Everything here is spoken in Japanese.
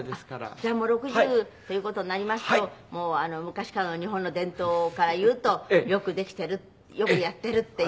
じゃあもう６０という事になりますと昔からの日本の伝統からいうとよくできているよくやっているっていう。